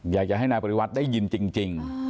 อยากจะให้นายปริวัติได้ยินจริง